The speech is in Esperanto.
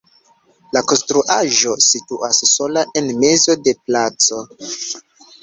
La konstruaĵo situas sola en mezo de placo.